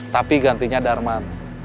tapi gantinya darman